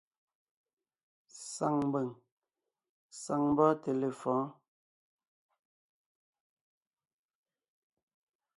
Saŋ mbʉ̀ŋ, saŋ mbɔ́ɔnte lefɔ̌ɔn.